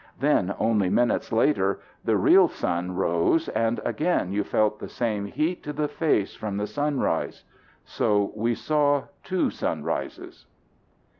Then, only minutes later, the real sun rose and again you felt the same heat to the face from the sunrise. So we saw two sunrises."